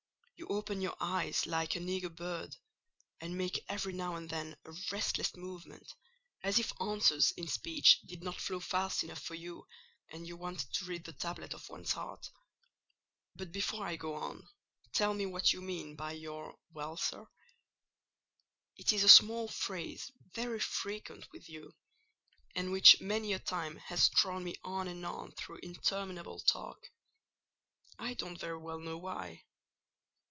You open your eyes like an eager bird, and make every now and then a restless movement, as if answers in speech did not flow fast enough for you, and you wanted to read the tablet of one's heart. But before I go on, tell me what you mean by your 'Well, sir?' It is a small phrase very frequent with you; and which many a time has drawn me on and on through interminable talk: I don't very well know why."